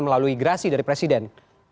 melalui grasih dari presiden